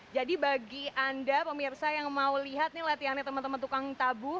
jadi bagi anda pemirsa yang mau lihat latihan teman teman tukang tabuh